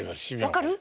分かる？